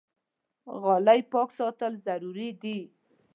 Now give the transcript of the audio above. غالۍ پاک ساتل ضروري دي.